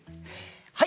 はい！